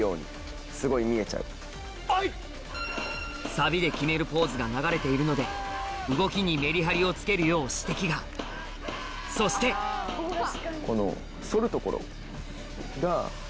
サビで決めるポーズが流れているので動きにメリハリをつけるよう指摘がそしてうん。